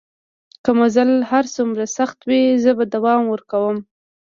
که مزل هر څومره سخت وي زه به دوام ورکوم.